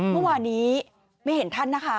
เมื่อวานนี้ไม่เห็นท่านนะคะ